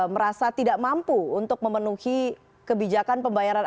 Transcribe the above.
merasa tidak mampu untuk memenuhi kebijakan pembayaran